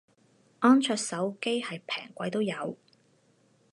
安卓手機係平貴都有